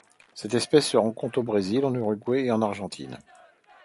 Cette espèce se rencontre au Brésil, en Uruguay et en Argentine.